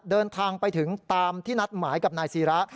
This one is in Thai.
เดินทางไปถึงตามที่นัดหมายกับนายศิระ